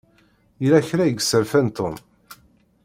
Yella kra i yesserfan Tom.